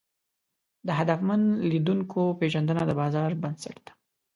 د هدفمن لیدونکو پېژندنه د بازار بنسټ ده.